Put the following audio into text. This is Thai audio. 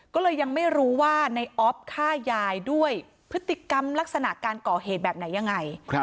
ก็เลยยังไม่รู้ว่าในออฟฆ่ายายด้วยพฤติกรรมลักษณะการก่อเหตุแบบไหนยังไง